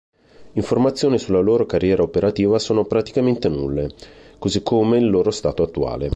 Informazioni sulla loro carriera operativa sono praticamente nulle, così come il loro stato attuale.